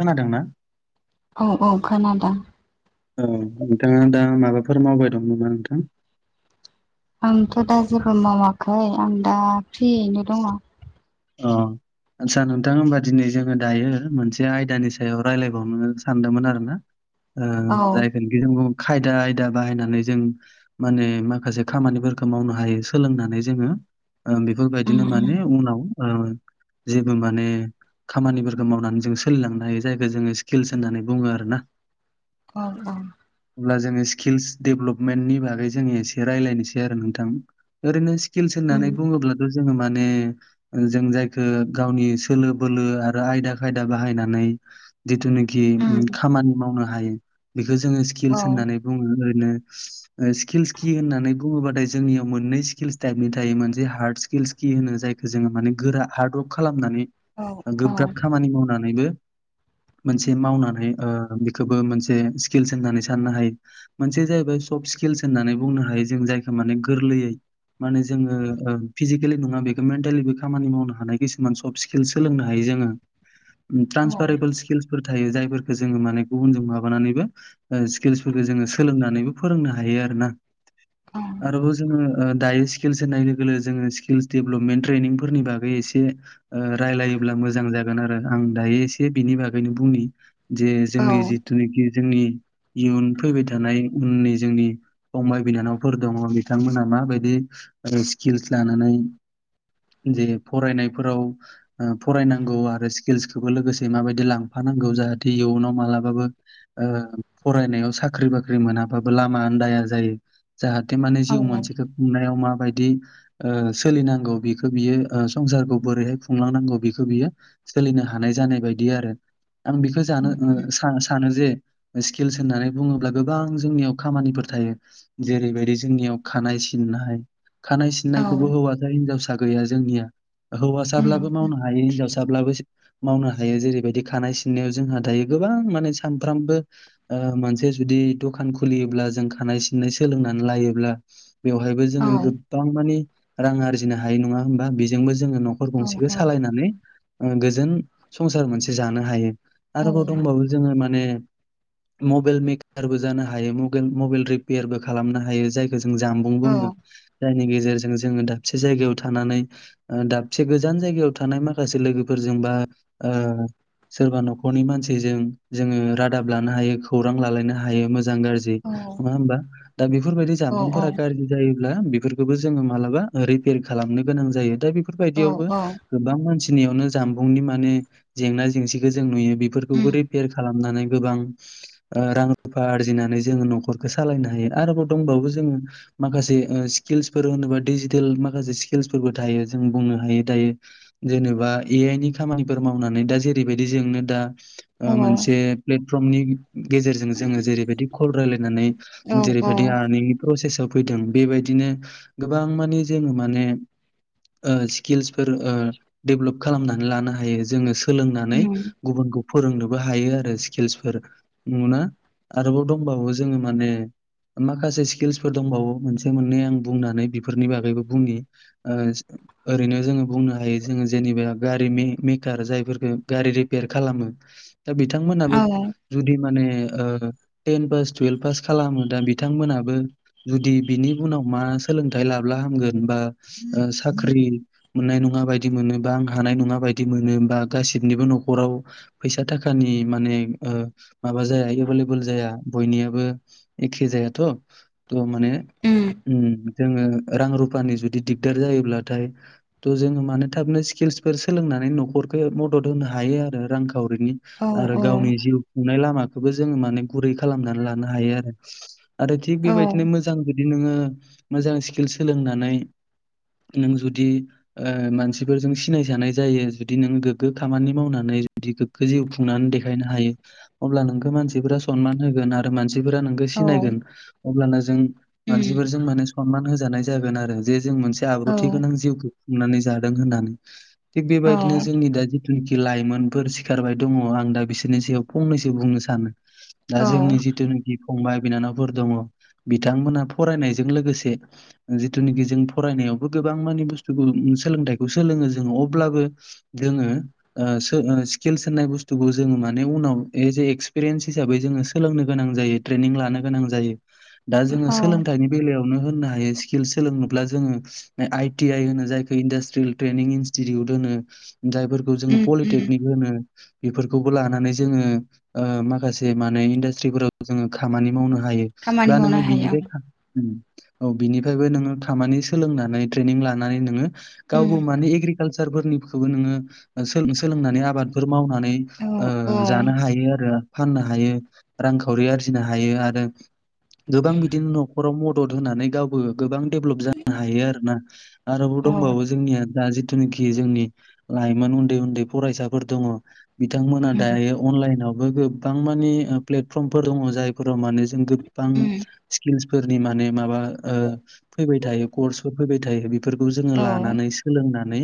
खोनादों ना औ-औ खोनादों औ नोंथाङा दा माबाफोर मावबाय दं नामा नोंथां आंथ दा जेबो मावाखै आं दा फ्रियैनो दङ अ आदसा नोंथां होनबा दिनै जोङो दायो मोनसे आयदानि सायाव रायलायबावनो सानदोंमोन आरो ना ओ औ जाय रोंगौथि रोंगौ खायदा आयदा बाहायनानै जों माने माखासे खामानिफोरखौ मावनो हायो सोलोंनानै जोङो ओ उम बेफोरबायदिनो उम माने उनाव ओ जेबो माने खामानिफोरखौ मावनानै जों सोलिलांनो हायो जायखौ जोङो स्किल्स होननानै बुङो आरोना औ औ । अब्ला जोङो स्किल्स डेभेलपमेन्टनि बागै जोङो एसे रायलायनिसै आरो नोंथां ओरैनो स्किल्स उम होननानै बुङोब्लाथ' जोङो माने जों जायखो गावनि सोलो बोलो आरो आयदा खायदा बाहायनानै जिथु नो खि ओं उम खामानि मावनो हायो बेखौ जोङो औ स्किल्स होननानै बुङो ओरैनो स्किल्स कि होननानै बुङोबाथाय जोंनियाव मोननै स्किल्स टाइपनि थायो मोनसे हार्ड स्किल्स खि होनो जायखौ जोङो मानि गोरा हार्डवार्क खालामनानै औ गोब्राब खामानि मावनानैबो [inaudible] मोनसे मावनानै ओ बेखोबो मोनसे स्किल्स होननानै साननो हायो मोनसे जाहैबाय सफ स्किल्स होननानै बुंनो हायो जों जायखौ माने गोरलैयै माने जोङो ओ फिजिकेलि नङा बेखौ मेन्टेलिबो खामानि मावनो हानाय खिसुमान सफ्ट स्किल सोलोंनो हायो जोङो । औ ट्रान्सफारेबल स्किल्स फोर थायो जायफोरखो जोङो माने गुबुन जों माबानानैबो ओ स्किल्सफोरखौ जोङो सोलोंनानैबो फोरोंनो हायो । हायो आरो ना औ आरोबाव जोङो ओ दायो स्टिल्स होन्नाय लोगो जोङो स्किल्स डेभेलपमेन ट्रेनिंफोरनि बागै एसे रायलायोब्ला मोजां जागोन आरो आं दा दायो एसे बिनि बागैनो बुंनि जे जोंनि जिथुनोखि जोंनि इयुन फैबाय थानाय उननि जोंनि फंबाय बिनानावफोर दङ' बिथांमोनहा माबायदि आरो स्किल्स लानानै जे फरायनायफोराव ओ फरायनांगौ आरो स्किल्सखौबो लोगोसे माबायदि लांफा नांगौ जाहाथे इयुनाव मालाबाबो ओ फरायनायाव साख्रि बाख्रि मोनाबाबो लामा आन्दाया जायो जाहाथे माने औ जिउ मोनसेखौ खुंनायाव माबायदि ओ सोलिनांगौ बिखो बियो संसारखौ बोरैहाय खुंलांनांगौ बिखौ बियो सोलिनो हा हानाय जानाय बायदि आरो आं बेखो जानो उम उम सानो जे स्किल्स होननानै बुङोब्ला गोबां जोंनियाव खामानिफोर थायो जेरैबायदि जोंनियाव खानाय सिननाय खानाय औ सिननायखौबो हौवासा हिनजावसा गैया जोंनिया हौवासाब्लाबो उम मावनो हायो हिनजावसाब्लाबो मावनो हायो जेरैबायदि खानाय सिननायाव जोंहा दायो गोबां माने सानफ्रामबो ओ मानसि जुदि द'खान खुलियोब्ला जों खानाय सिननाय सोलोंनानै लायोब्ला बेवहायबो औ जोङो गोबां मानि रां आरजिनो हायो नङा होमबा बेजोंबो जोङो न'खर औ गंसेखो सालायनानै गोजोन संसार मोनसे जानो हायो। औ आरोबाव दंबावो जोङो माने मबेल मेकारबो जानो हायो मबेल रिपेयारबो खालामनो हायो जाय जों जानबुं औ बुङो जायनि गे जों जोङो दाबसे जायगायाव थानानै ओ दाबसे गोजान जायगायाव थानाय माखासे लोगोफोरजों बा ओ सोरबा न'खरनि मानसिजों जोङो रादाब लानो हायो खौरां लालायनो हायो मोज जां गाज्रि नङा होमबा दा बेफोरबायदि औ जामबुंफोरा गाज्रि जायोब्ला बेफोरखोबो जोङो मालाबा रिपेयार खालामनो गोनां जायो दा बेफोरबायदियावबो औ गोबां मानसि नियावनो जामबुंनि माने जेंना जेंसिखो जों नुयो उम बेफोरखौबो रिपेयार खालाम नानै गोबां ओ रां रुफा आरजिनानै जोङो न'खरखौ सालायनो हायो आरोबाव दंबावो जों माखासे ओ स्किलस फोरोंनोबा दिजिटेल माखासे स्किलसफोरबो थायो जों बुंनो हायो दायो जेनेबा ए आइनि खामानिफोर मावनानै दा जेरैबायदि जोंनो दा औ मोनसे प्लेटफर्मनि गेजेरजों जोङो जेरैबायदि कल रायलायनानै औ उम औ जेरैबायदि आरनिं प्रसेसआव फैदों बेबायदिनो गोबां माने जोङो माने ओ स्किल्सफोर ओ डेभ्लप खालामनानै लानो हायो जोङो सोलोंनानै उम गुबुन गुबु फोरोंनोबो हायो आरो स्किल्सफोर नुना आरोबाव दंबावो जोङो माने माखासे स्किल्सफोर दंबावो मोनसे मोननै आं बुंनानै बेफोरनि बागैबो बुंनि ओ ओरैनो जोङो बुंनो हायो जों जेनेबा गारिनि रिप्यार जायफोरखो गारि रिप्यार खालामो दा औ बिथांमोनाबो उम जुदि माने ओ तेन पास तुयेल्फ पास खालामो दा बिथांमोनाबो जुदि बिनि उनाव मा सो सोलोंथाइ लाब्ला हामगोन बा ओ साख्रि मोननाय नङा बायदि मोनो बा आं हानाय नङा बा बायदि मोनो बा गासैनिबो नख'राव फैसा थाखानि माने ओ माबा जाया एभेलेबेल जाया बयनियाबो एखे जायाथ' थ माने औ औ औ जोङो रां रुफानि जुदि दिगदार जायोब्लाथाय थ जोङो मानो थाबनो स्किल्सफोर सोलोंना नै नख'रखौ मदद होनो हायो आरो रां खावरिनि आरो गावनि जिउ खुंनाय लामा खोबो जों माने गुरै खालामनानै लानो हायो आरो आरो थिग बेबायदिनो मोजां नोङो मोजां स्किल सोलोंनानै नों जुदि ओ मानसिफोरजों सिनायजानाय जायो जुदि नों गोग्गो खामानि मावनानै गोग्गो जिउ खुंनानै देखायनो हायो अब्ला नोंखौ मानसिफोरा सनमान होगोन आरो मानसि फोरा नोंखो सिनायगोन अब्लाना जों मानसिफोरजों माने सनमान होजानाय जागोन आरो जे जों मोनसे आब्रुथि गोनां जिउखौ खुंनानै जादों होननानै थिग बेबायदिनो जोंनि दा जानाखि लाइमोनफोर सिखारबाय दङ आं दा बिसोरनि सायाव फंनैसो बुंनो सानो दा जोंनि जिथुनाखि फंबाय बिनानावफोर दङ बिथांमोना फरायनायजों लोगोसे जिथुनिखि जों फरायनायावबो गोबां माने बुस्थुखौ सोलोंथाइखौ सोलोङो जों अब्लाबो जोङो ओ सो-स्किल्स होननाय बुस्थुखौ जोङो माने उनाव ए जे एक्सपिरेन्स हिसाबै जोङो सोलोंनो गोनां जायो ट्रेनिं लानो गोनां जायो दा जोङो औ सोंलोंथाइनि बेलायाव नो होननो हायो स्किल सोंलोंनोबा जोङो आइ ति आइ होनो जायखौ इनड्रास्त्रियेल ट्रेनिं इनस्टिटिउट बो ओनो जायफोरखौ जोङो उम उम पलिटेकनिक बो होनो बेफोरखौबो लानानै जोङो ओ माखासे माने इन्डास्ट्रिफोराव जोङो खामानि मावनो हायो खामानि दा मावनो नोङो हाया बिनिफाय उम औ बिनिफायबो नोङो खामानि सोलोंनानै ट्रेनिं लानानै नोङो उम गावबो माने एग्रिकालसार फोरनिखौबो नोङो सोल-सोलोंनानै आबादफोर मावनानै औ ओ औ जानो हायो आरो फाननो हायो रांखावरि आरजिनो हायो आरो गोबां बिदिनो न'खराव म मदद होनानै गावबो गोबां डेभलप जानो हायो आरो ना। आरोबाव औ दंबावो जोंनिया दा जिथुनाखि जोंनि लाइमोन उन्दै उन्दै फरायसाफोर दङ। बिथांमोना उम दायो अनलाइनावबो गोबां मानि प्लेटफर्मफोर दङ जायफोराव माने गोबबां उम स्किल्स फोरनि माने माबा ओ फैबाय थायो कर्सफोर फैबाय थायो बेफोरखौ जोङो औ लानानै सोलोंनानै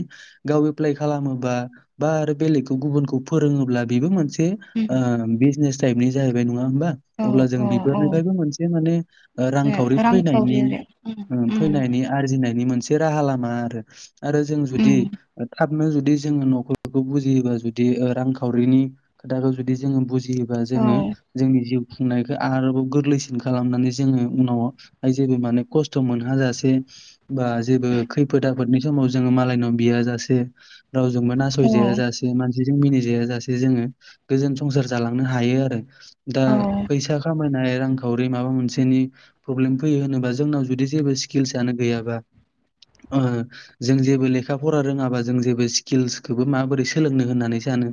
गाव एप्लाइ खालामोबा बा आरो बेलेगखौ गुबुनखौ फोरोङोब्ला बेबो मोनसे उम ओ बिजनेस टाइपनि जाहैबाय नङा होमबा औ अब्ला जों औ औ बिफोरनिफ्रायबो मोनसे माने रां खावरि रांखावरि आरो उम उम फैनायनि आरजिनाय नि मोनसे राहा लामा आरो आरो जों जुदि उम थाब नो जुदि जोङो न'खरखौ बुजियोबा जुदि रांखावरिनि खोथाखौ जुदि जोङो बुजि योबा औ जोङो जोंनि जिउ खुंनायखौ आरोबाव गोरलैसिन खालामनानै जोङो उनाव जेबो माने खस्थ' मोनहा जासे बा जेबो खैफोद आफोदनि समाव जोङो मालायनाव बिया जासे रावजोंबो औ नासयजाया जासे मानसि मिनिजायासे जोङो गोजोन संसार जालांनो हायो आरो दा औ फैसा खामायनाय रांखावरि माबा मोनसेनि प्रब्लेम फैयो होनोबा जोंनाव जुदि जेबो स्किल्सआनो गैयाबा ओ जों जेबो लेखा फरा रोङाबा जों जेबो स्किल्सखौबो माबोरै सोलोंनो होननानै सा नो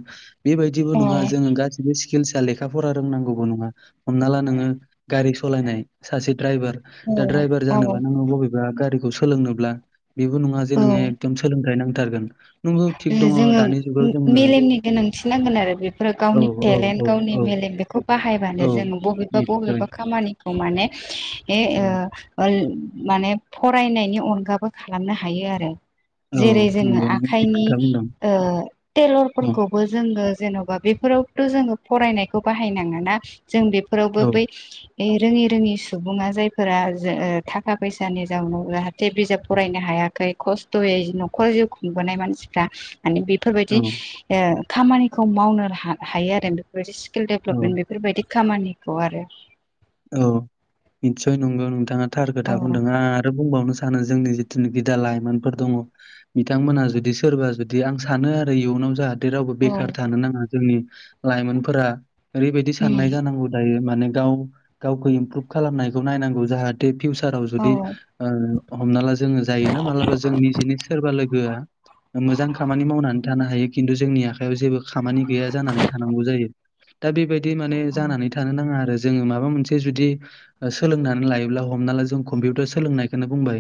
बेबायदिबो औ नङा जोङो गासिबो स्किल्सआ लेखा फरा रोंनांगौबो नङा हमना ला नोङो गारि सालायनाय सासे द्राइभार दा द्राइभार औ जानोबा नोङो बबे बा गारिखौ सोलोंनोब्ला बेबो नङा जे औ नोङो एकदम सोलोंथायाइ नांथारगोन नंगौ थिग दङ जोङो दानि जुगाव जोङो मेलेमनि गोनांथि नांगोन आरो बेफोरो औ गावनि औ टेलेन्ट औ गावनि औ मेलेम बेखौ औ बाहायबानो जोङो निस्सय बबेबा-बबेबा खामानिखौ माने ए औ ओ माने फरायनि अनगाबो खालामनो हायो आरो औ नंगौ नों थिग खायनि खोथा बुंदों ओ औ टेलरफोरखौबो जोङो जेन'बा बेफोराव थ' जोङो फरायनायखौ बाहायनाङा ना जों बेफोरावबो औ बै रोङि-रोङि सुबुङा जायफोरा जो थाखा फैसानि जाउनाव जाहाथे बिजाब फरायनो हा याखै खस्थ'यै न'खर जिउ खुंबोनाय मानसिफ्रा माने बेफोरबायदि औ ओ खामानिखौ मावनो हा- हायो आरो बेफोरबायदि स्किल औ डेभेलपमेन्ट बेफोरबायदि खामानिखौ आरो औ निसय नंगौ नोंथाङा थार औ खोथा बुंदों आं आरो बुंबावनो सानो जोंनि जिथुनि खि दा लाइमोनफोर दङ बिथांमोना जुदि सोरबा जुदि आं सानो आरो इयुनाव जाहा थे रावबो औ बेखार थानो नाङा जोंनि लाइमोनफोरा ओरैबायदि साननाय उम जानांगौ दायो माने गाव गावखौ इमप्रुभ खालामनायखौ नायनांगौ जाहाथे फिउसाराव औ जुदि औ ओ हमना ला जोङो जायोना मालाबा जों निजिनि सोरबा लोगोआ मोजां खामानि मावनानै थानो हायो खिन्थु जोंनि आखायाव जेबो खामानि गैया जानानै थानांगौ जायो दा बेबायदि माने जानानै थानो नाङा आरो जोङो माबा मोनसे जुदि ओ सोलोंनानै लायोब्ला हमनाला जों कपिउार सोलोंनायखोनो बुंबाय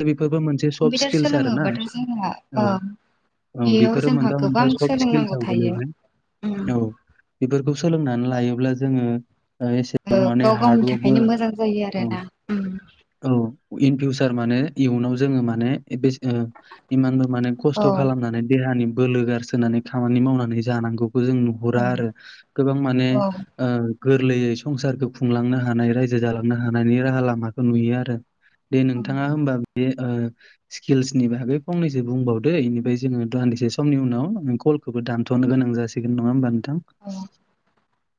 दा बेफोरबो मोनसे सफ कम्पिउटार स्किल्स आरोना सोलोङोबाथ' औ जोंहा औ बेयाव बेफोरो जोंहा मोनफा गोबां मोनफा सब सोलोंनांगौ स्किल्सआव थायो गोलैबाय उम औ बेफोरखौ सोलोंनानै लायोब्ला जोङो ओ एसेबां ओ माने गाव गावनि हारवरकबो थाखायनो मोजां जायो आरोना उम औ-औ इन फिउसार माने इयुनाव जोङो माने बेसे ओ इमानबो माने औ खस्थ' खालामनानै देहानि बोलो गारसोनानै खामानि मावनानै जानांगौ जों नुहुरा आरो गोबां माने औ ओ गोरलैयै संसारखौ खुंलांनो हानाय रायजो जालांनो हानायनि राहा लामाखौ नुयो आरो दे औ नोंथाङा होमबा बे ओ स्किल्सनि बागै फंनैसो बुंबावदो एनिफ्राय जोङो दान्दिसे समनि उनाव कलखौबो दानथ'नो गोनां जासिगोन नङा होनबा नोंथां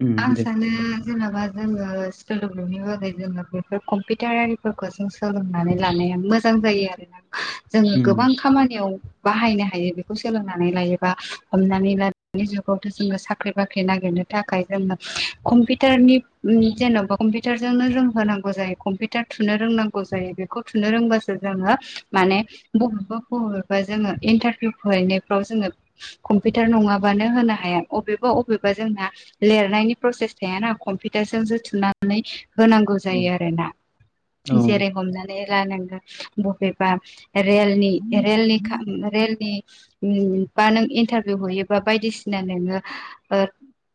उम दे आंसानो जेन'बा जोंङो सोलोंलुनि बागै जोङो बेफोर कम्पिउटारआरिफोरखौ जों सोलोंनानै लानाया मोजां जायो आरोना जोङो गोबां उम खामानियाव बाहायनो हायो बेखौ सोलोंनानै लायोबा हमनानै ला दानि जुगावथ' जोङो साख्रि बाख्रि नागिरनो थाखाय जोङो कम्पिउटारनि जेन'बा कम्पिउटारजोंनो जों होनांगौ जायो कम्पिउटार थुनो रों नांगौ जायों बेखौ थुनो रोंब्लासो जोङो माने बबेबा-बबेबा जोंङो इन्टारभिउ हैनायफ्राव जोङो कम्पिउटार नङाबानो होनो हाया अबेबा-अबेबा जोंहा लिरनायनि प्रसेस थायाना कम्पिउटारजोंसो थुनानै होनांगौ औ जायो आरो ना औ जेरै हमनानै ला नोंथां बबेबा रेलनि-रेलनि खा-रेलनि बा नों इन्टारभिउ हैयोबा बायदिसिना नोङो ओ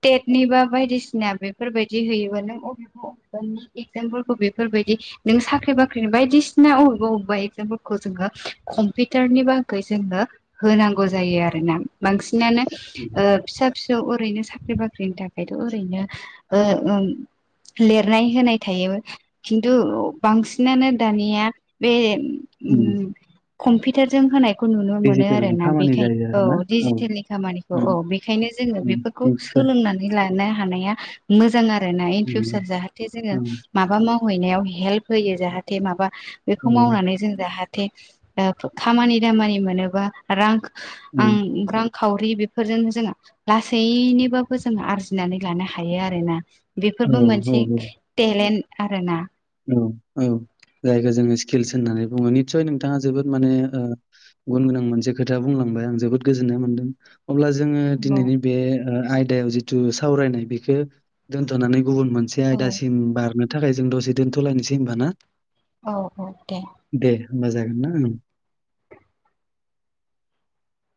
टेट नि बा बायदिसिना बेफोरबायदि होयोबा नों अबेबा-अबेबानि एगजामखौ बेफोरबादि नों साख्रि-बाख्रिनि बायदिसिना अबेबा-अबेबा एक्जामखौ जोङो कम्पिउटारनि बागै जों होनांगौ जायो आरोना बांसिनानो ओ फिसा-फिसौ ओरैनो साख्रि-बाख्रि ख्रिनि थाखायथ' ओरैनो ओ-ओं लिरनाय होनाय थायो खिनथु बांसिनानो दानिया बे ओ उम कम्पिउटार जों होनाय। खौ नुनो मोनो डिजिटेलनि आरोना खामानि बेखाय जायो औ आरोना औ डजिटेलनि खामानिखौ औ उम बेखायनो जोङो उम बेफोरखौ निस्सय सोलोंनानै नै लानो हानाया मोजां आरोना उम इनफिवसार जाहाते जोङो उम माबा माव मावहैनायाव हेल्प होयो जाहाथे माबा औ बेखौ मावनानै जों जाहा थे ओ खामानि दामानि मोनोबा रां आं उम रां खावरि बेफोरजोंनो जोङो लासैनोबाबो जोङो आरजिनानै लानो हायो आरो ना। औ बेफोरबो औ मोनसे तेलेन्त आरो ना औ औ। जायखौ जोङो स्किलस होननानै बुङो निस्सय नोंथाङा जोबोद माने ओ गुन गोनां मोनसे खोथा बुंलां ओफ्राय आं जोबोद गोजोन्नाय मोन्दों अब्ला जोङो औ दिनैनि बे ओ आयदायाव जिथु सावरायनाय बेखौ दोनथ'नानै गुबुन मोनसे औ आयदासिम बारनो थाखाय जों दसे दोनथ'लायनोसै हब ना? औ औ दे। दे होमबा जागोनना ओं।